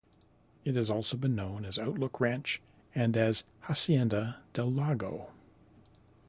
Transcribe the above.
It has also been known as Outlook Ranch and as Hacienda del Lago.